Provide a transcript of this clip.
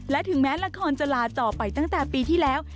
และถึงแม้ละครจะลาจอไปตั้งแต่ปีที่แล้ว